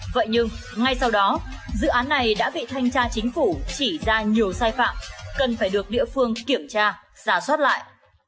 vậy nhưng ngay sau đó dự án này đã bị thanh tra chính phủ chỉ ra nhiều sai phạm cần phải được địa phương kiểm tra giả soát lại